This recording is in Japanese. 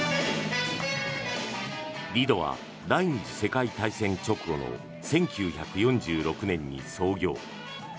リドは第２次世界大戦直後の１９４６年に創業。